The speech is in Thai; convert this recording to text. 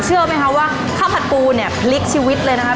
เชื่อไหมคะว่าข้าวผัดปูเนี่ยพลิกชีวิตเลยนะครับ